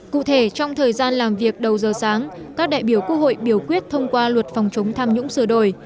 cụ thể trong thời gian làm việc đầu giờ sáng các đại biểu quốc hội biểu quyết thông qua luật phòng chống tham nhũng sửa đổi